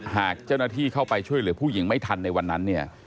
หากเจ้าหน้าที่เข้าไปช่วยเหลือผู้หญิงไม่ทันในวันนั้นเนี่ย